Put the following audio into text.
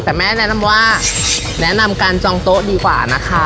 แต่แม่แนะนำว่าแนะนำการจองโต๊ะดีกว่านะคะ